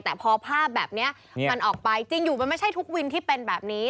แต่พอภาพแบบนี้มันออกไปจริงอยู่มันไม่ใช่ทุกวินที่เป็นแบบนี้